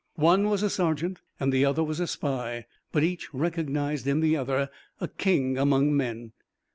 One was a sergeant and the other was a spy, but each recognized in the other a king among men.